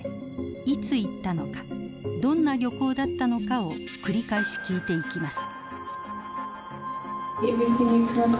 「いつ行ったのかどんな旅行だったのか」を繰り返し聞いていきます。